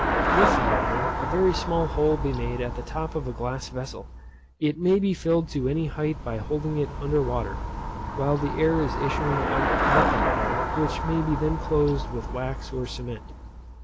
If, however, a very small hole be made at the top of a glass vessel, it may be filled to any height by holding it under water, while the air is issuing out at the hole, which may then be closed with wax or cement.